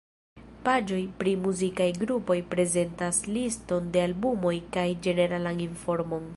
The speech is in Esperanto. Paĝoj pri muzikaj grupoj prezentas liston de albumoj kaj ĝeneralan informon.